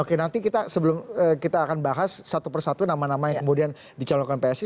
oke nanti kita sebelum kita akan bahas satu persatu nama nama yang kemudian dicalonkan psi